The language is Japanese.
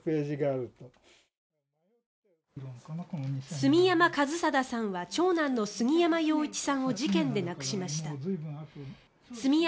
住山一貞さんは長男の杉山陽一さんを事件で亡くしました。